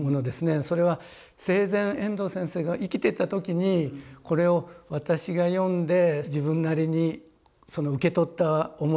それは生前遠藤先生が生きてた時にこれを私が読んで自分なりに受け取った思いをですね